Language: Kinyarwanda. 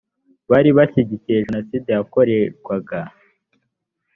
bari bashyigikiye jenoside yakorerwaga